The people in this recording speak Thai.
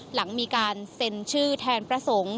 หลังมีการเซ็นชื่อแทนพระสงฆ์